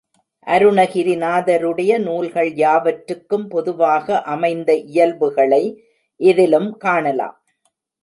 அருணகிரி நாதருடைய நூல்கள் யாவற்றுக்கும் பொதுவாக அமைந்த இயல்புகளை இதிலும் காணலாம்.